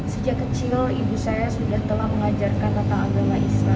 sejak kecil ibu saya sudah telah mengajarkan tentang agama islam